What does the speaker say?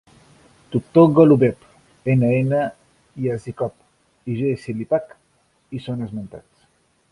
D. Golubev, N. N. Yazykov i G. A. Slipak hi són esmentats.